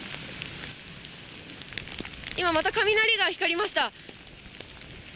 今また雷が光りました。